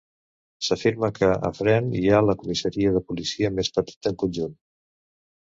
S'afirma que a Friend hi ha la comissaria de policia més petita en conjunt.